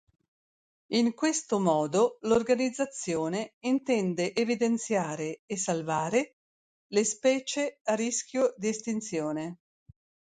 In questo modo l'organizzazione intende evidenziare e salvare le specie a rischio di estinzione.